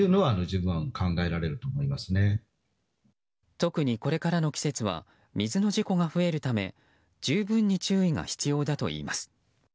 特にこれからの季節は水の事故が増えるため十分に注意が必要だといいます。